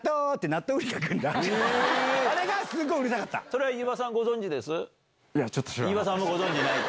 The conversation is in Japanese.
それは柚場さんご存じです？